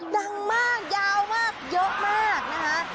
ดังมากยาวมากเยอะมากนะคะ